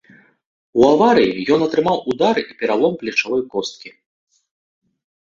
У аварыі ён атрымаў удары і пералом плечавой косткі.